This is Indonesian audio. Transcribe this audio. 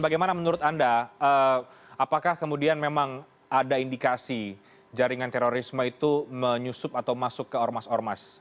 bagaimana menurut anda apakah kemudian memang ada indikasi jaringan terorisme itu menyusup atau masuk ke ormas ormas